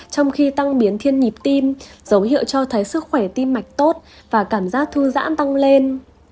trong khi tăng biến thiên nhịp tim dấu hiệu cho thấy sức khỏe tim mạch tốt và cảm giác thư giãn tăng lên